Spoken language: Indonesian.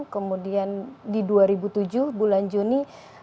kemudian di dua ribu tujuh bulan juni